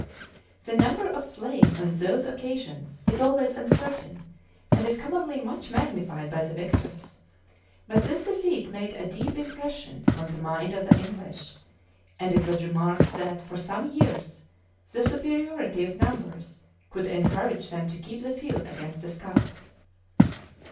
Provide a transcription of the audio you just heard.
The number of slain on those occasions is always uncertain, and is commonly much magnified by the victors: but this defeat made a deep impression on the mind of the English; and it was remarked that, for some years, the superiority of numbers could encourage them to keep the field against the Scots.